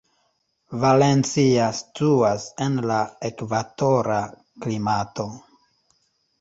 Valencia situas en la ekvatora klimato.